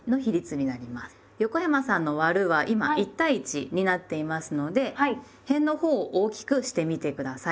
横山さんの「『割』る」は今１対１になっていますのでへんのほうを大きくしてみて下さい。